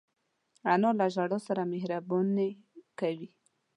انا له ژړا سره مهربانې کوي